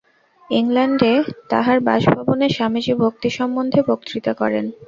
ইংলণ্ডে তাঁহার বাসভবনে স্বামীজী ভক্তি সম্বন্ধে বক্তৃতা করেন।